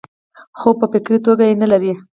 خو پۀ فکري توګه نۀ لري -